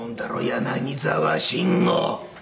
柳沢慎吾」。